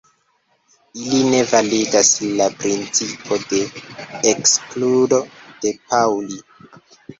Ili ne validas la principo de ekskludo de Pauli.